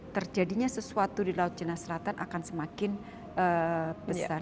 terjadinya sesuatu di laut cina selatan akan semakin besar